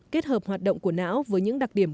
kết hợp hoạt động của não với những đặc điểm